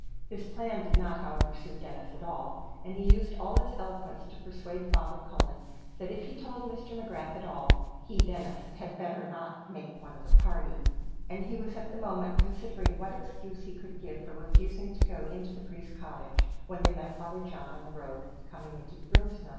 This plan did not, however, suit Denis at all, and he used all his eloquence to persuade Father Cullen, that if he told Mr. McGrath at all, he, Denis, had better not make one of the party; and he was at the moment considering what excuse he could give for refusing to go into the priest's cottage, when they met Father John on the road coming into Drumsna.